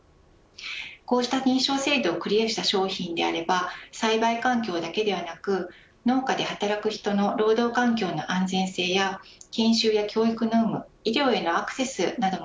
こうした認証制度をクリアした商品であれば栽培環境だけではなく農家で働く人の労働環境の安全性や研修や教育などの